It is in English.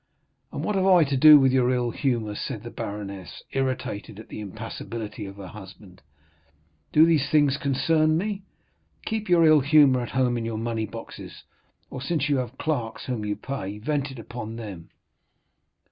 "And what have I to do with your ill humor?" said the baroness, irritated at the impassibility of her husband; "do these things concern me? Keep your ill humor at home in your money boxes, or, since you have clerks whom you pay, vent it upon them."